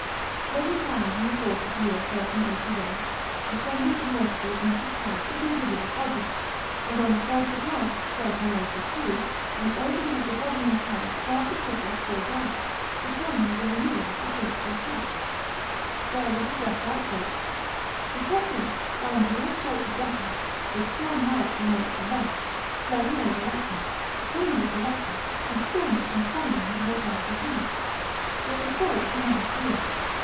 Seven times, in the course of the year 1381, assemblies of notables met at Paris to consider the project, and on the 1st of March, 1382, an agent of the governing power scoured the city at full gallop, proclaiming the renewal of the principal tax. There was a fresh outbreak. The populace, armed with all sorts of weapons, with strong mallets amongst the rest, spread in all directions, killing the collectors, and storming and plundering the Hotel de Ville. They were called the Malleteers.